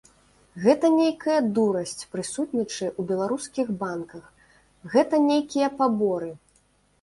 Гэта нейкая дурасць прысутнічае ў беларускіх банках, гэта нейкія паборы!